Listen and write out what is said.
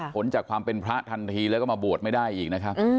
ผลจากความเป็นพระทันทีแล้วก็มาบวชไม่ได้อีกนะครับ